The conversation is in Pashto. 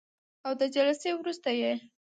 او د جلسې وروسته یې